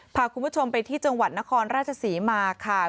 พาคุณผู้ชมไปที่จังหวัดนครราชศรีมาค่ะ